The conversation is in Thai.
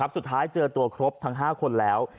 สุดท้ายเจอตัวครบทั้ง๕คนแล้ว